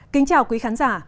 kính chào quý khán giả